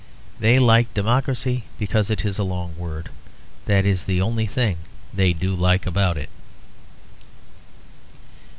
They like democracy because it is a long word; that is the only thing they do like about it.